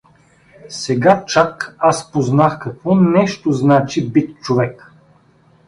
Сега чак аз познах какво нещо значи бит човек.